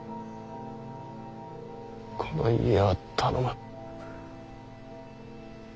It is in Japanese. この家を頼む。